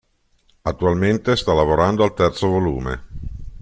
Attualmente sta lavorando al terzo volume.